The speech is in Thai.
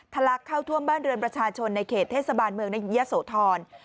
ลักเข้าท่วมบ้านเรือนประชาชนในเขตเทศบาลเมืองยะโสธร